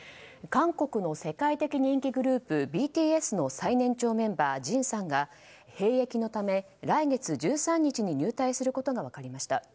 韓国の世界的人気グループＢＴＳの最年長メンバー、ＪＩＮさんが兵役のため来月１３日に入隊することが分かりました。